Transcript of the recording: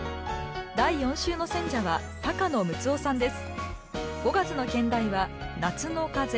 第４週の選者は高野ムツオさんです。